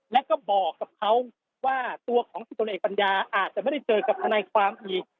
และก็บอกกับเขาว่าตัวของ๑๐ตำรวจเอกปัญญาอาจจะไม่ได้เจอกับทนายความอีก